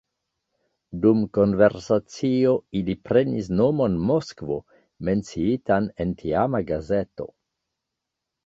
Dum konversacio ili prenis nomon Moskvo, menciitan en tiama gazeto.